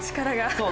そう。